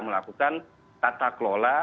melakukan tata kelola